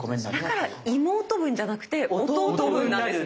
だから妹分じゃなくて弟分なんですね。